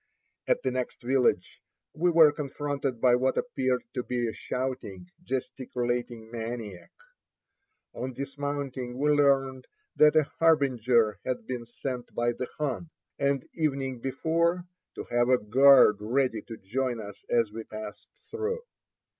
At the next village we were confronted by what appeared to be a shouting, gesticulating maniac. On dismounting, we learned Ill 77 that a harbinger had been sent by the khan, the evening before, to have a guard ready to join us as we passed through.